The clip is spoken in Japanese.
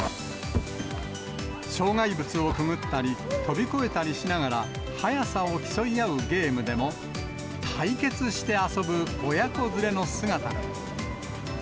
障害物をくぐったり、飛び越えたりしながら、速さを競い合うゲームでも、対決して遊ぶ親子連れの姿が。